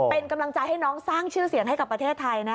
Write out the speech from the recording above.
เป็นกำลังใจให้น้องสร้างชื่อเสียงให้กับประเทศไทยนะ